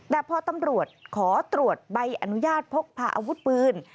แต่พอตำรวจขอตรวจใบอนุญาตพกพาอาวุธปืน